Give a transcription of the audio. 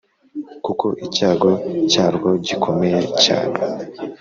kuko icyago cyarwo gikomeye cyane.